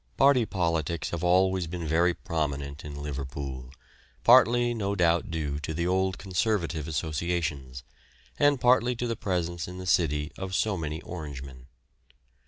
Party politics have always been very prominent in Liverpool, partly no doubt due to the old Conservative associations, and partly to the presence in the city of so many Orangemen.